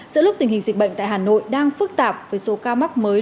giữa lúc tình hình dịch bệnh tại hà nội đang phức tạp với số ca mắc mới